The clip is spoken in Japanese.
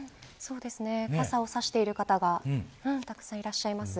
傘を差している方がたくさんいらっしゃいます。